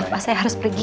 maaf ma saya harus pergi